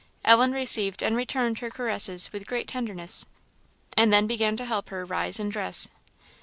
Ellen received and returned her caresses with great tenderness, and then began to help her rise and dress.